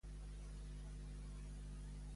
Quan s'espera l'arribada de la flota espanyola?